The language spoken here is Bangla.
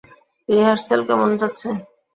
রিহার্সেল কেমন যাচ্ছে?